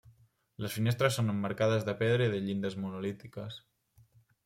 Les finestres són emmarcades de pedra i de llindes monolítiques.